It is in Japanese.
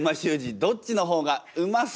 どっちの方がうまそうですか？